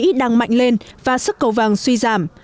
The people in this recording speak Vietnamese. mỹ đang mạnh lên và sức cầu vàng suy giảm